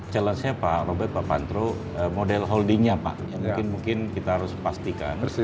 challenge nya pak robert papantro model holding nya pak yang mungkin mungkin kita harus pastikan